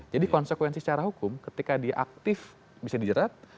konsekuensi secara hukum ketika dia aktif bisa dijerat